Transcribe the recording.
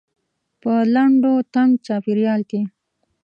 په لنډ و تنګ چاپيریال کې.